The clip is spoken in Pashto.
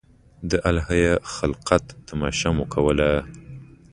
د الهي خلقت تماشه مو کوله.